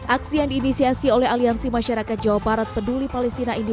aksi yang diinisiasi oleh aliansi masyarakat jawa barat peduli palestina ini